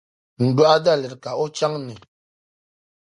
n-dɔɣi daliri ka o chaŋ ni.